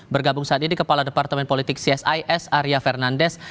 bergabung saat ini kepala departemen politik csis arya fernandes